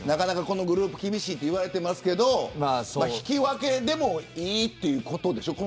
このグループ厳しいと言われていますが引き分けでもいいということでしょう